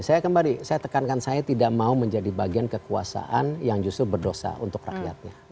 saya kembali saya tekankan saya tidak mau menjadi bagian kekuasaan yang justru berdosa untuk rakyatnya